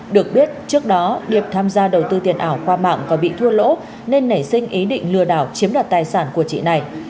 được biết trước đó điệp tham gia đầu tư tiền ảo qua mạng và bị thua lỗ nên nảy sinh ý định lừa đảo chiếm đoạt tài sản của chị này